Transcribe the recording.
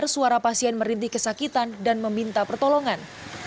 suara pasien merintih kesakitan dan meminta pertolongan